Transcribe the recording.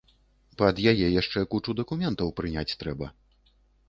Пад яе яшчэ кучу дакументаў прыняць трэба.